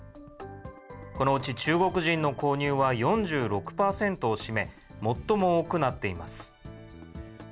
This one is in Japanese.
このうち中国人の購入は４６％を占め、最も多くなっています。